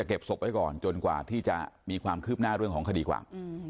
เก็บศพไว้ก่อนจนกว่าที่จะมีความคืบหน้าเรื่องของคดีความ